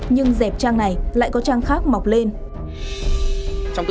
nhưng dẹp trang này lại có trang khác mọc lên